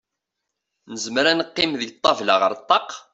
Nezmzer ad neqqim deg ṭabla ar ṭaq?